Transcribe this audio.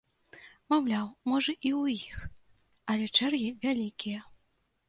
Маўляў, можна і ў іх, але чэргі вялікія.